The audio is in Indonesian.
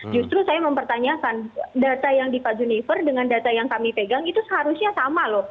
justru saya mempertanyakan data yang di pak junifer dengan data yang kami pegang itu seharusnya sama loh